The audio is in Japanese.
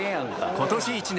今年一年